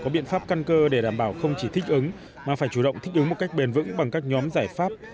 biện pháp căn cơ để đảm bảo không chỉ thích ứng mà phải chủ động thích ứng một cách bền vững bằng các nhóm giải pháp